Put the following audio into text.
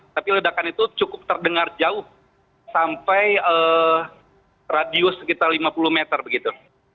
tapi ledakan itu cukup terdengar jauh sampai radius sekitar lima puluh meter begitu